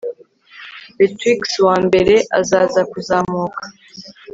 Betwixt uwambere azaza kuzamuka